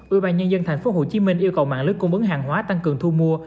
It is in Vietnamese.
ubnd tp hcm yêu cầu mạng lực cung bấn hàng hóa tăng cường thu mua